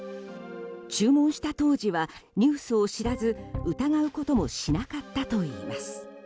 注文した当時はニュースを知らず疑うこともしなかったといいます。